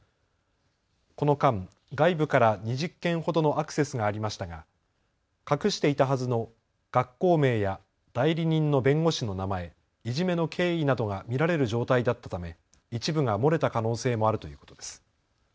この間、外部から２０件ほどのアクセスがありましたが隠していたはずの学校名や代理人の弁護士の名前、いじめの経緯などが見られる状態だったため、一部が漏れた可能性もあるということです。